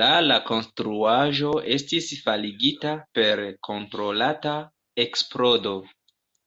La la konstruaĵo estis faligita per kontrolata eksplodo.